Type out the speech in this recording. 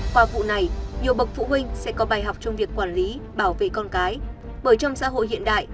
qua vụ này nhiều bậc phụ huynh sẽ có bài học trong việc quản lý bảo vệ con cái